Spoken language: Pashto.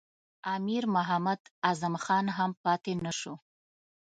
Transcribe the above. امیر محمد اعظم خان هم پاته نه شو.